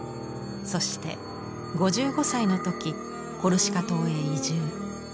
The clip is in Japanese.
そして５５歳の時コルシカ島へ移住。